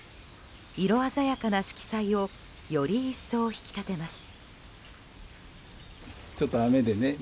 色鮮やかな色彩をより一層引き立てます。